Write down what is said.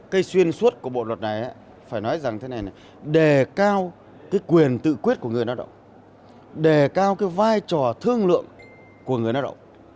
cái xuyên suốt của bộ luật này phải nói rằng thế này là đề cao cái quyền tự quyết của người lao động đề cao cái vai trò thương lượng của người lao động